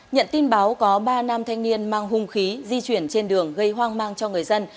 nhận tin báo có ba nam thanh niên mang hung khí di chuyển trên đường gây hoang mang cho người dân